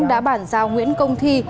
đã bản giao nguyễn công thi